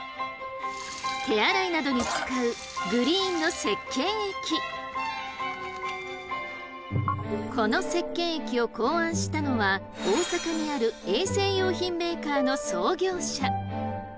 手洗いなどに使うこの石けん液を考案したのは大阪にある衛生用品メーカーの創業者。